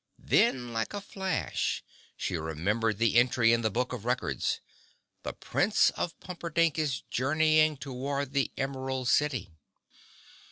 Then, like a flash she remembered the entry in the Book of Records—"The Prince of Pumperdink is journeying toward the Emerald City."